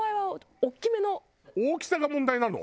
大きさが問題なの？